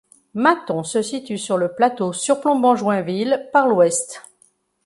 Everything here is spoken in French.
Mathons se situe sur le plateau surplombant Joinville par l'ouest.